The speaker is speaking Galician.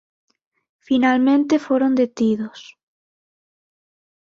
Finalmente foron detidos.